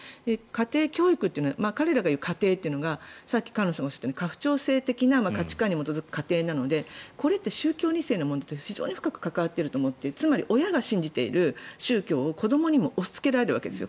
家庭教育というのは彼らが言う家庭というのはさっき菅野さんがおっしゃったように家父長制的な価値観に基づく家庭なのでこれって宗教２世の問題と深く関わっていると思っていてつまり、親が信じている宗教を子どもにも押しつられるわけです。